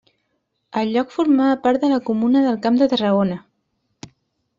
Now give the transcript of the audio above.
El lloc formava part de la Comuna del Camp de Tarragona.